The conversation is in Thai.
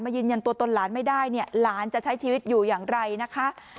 ยืนยันตัวตนหลานไม่ได้เนี่ยหลานจะใช้ชีวิตอยู่อย่างไรนะคะ